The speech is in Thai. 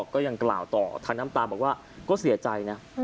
ก็ยังกล่าวต่อทางน้ำตาบอกว่าก็เสียใจนะ